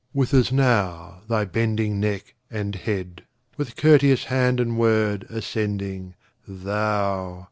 with as now thy bending neck and head, with courteous hand and word, ascending, Thou!